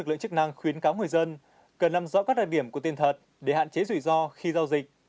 lực lượng chức năng khuyến cáo người dân cần làm rõ các đặc điểm của tiền thật để hạn chế rủi ro khi giao dịch